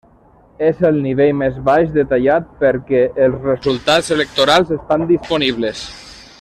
És el nivell més baix detallat per què els resultats electorals estan disponibles.